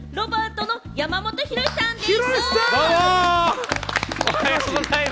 ロバートの山本博さんでぃす！